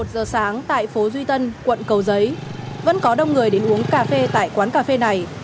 một giờ sáng tại phố duy tân quận cầu giấy vẫn có đông người đến uống cà phê tại quán cà phê này